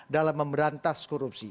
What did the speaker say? dalam memberantas korupsi